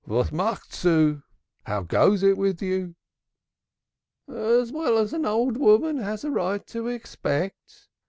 "How goes it with you?" "As well as an old woman has a right to expect.